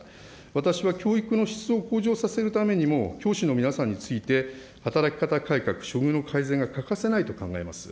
私は教育の質を向上させるためにも、教師の皆さんについて、働き方改革、処遇の改善が欠かせないと考えます。